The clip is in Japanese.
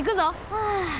はあ